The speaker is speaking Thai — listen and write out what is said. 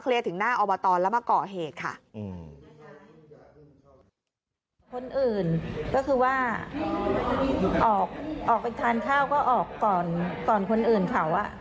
คนอื่นก็คือว่าออกไปทานข้าวก็ออกก่อนคนอื่นเขา